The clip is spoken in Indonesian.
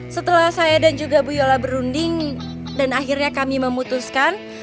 setelah saya dan juga bu yola berunding dan akhirnya kami memutuskan